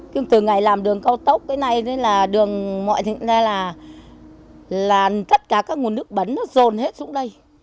nhưng từ ngày làm đường cao tốc cái này đến là đường mọi thứ ra là tất cả các nguồn nước bẩn nó rôn hết xuống đây